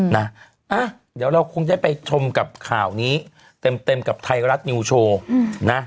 นะเดี๋ยวเราคงได้ไปชมกับข่าวนี้เต็มกับไทยรัฐนิวโชว์นะ